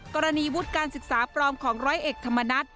กรณีวุฒิการศึกษาปลอมของร้อยเอกธรรมนัฐ